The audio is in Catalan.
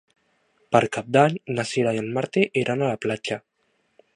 Per Cap d'Any na Sira i en Martí iran a la platja.